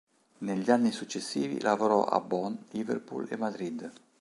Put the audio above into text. Negli anni successivi lavorò a Bonn, Liverpool e Madrid.